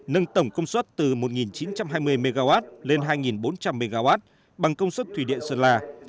nâng tổng công suất từ một chín trăm hai mươi mw lên hai bốn trăm linh mw bằng công suất thủy điện sơn la